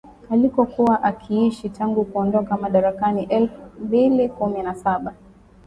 alikokuwa akiishi tangu kuondoka madarakani elfu mbili kumi na saba